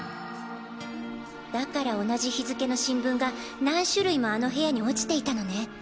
だから同じ日付の新聞が何種類もあの部屋に落ちていたのね。